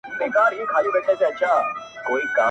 o زه چـي په باندي دعوه وكړم.